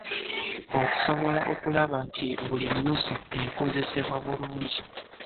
Okusobola okulaba nti buli nnusu ekozesebwa bulungi